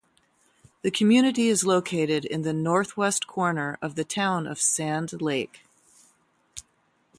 The community is located in the northwest corner of the town of Sand Lake.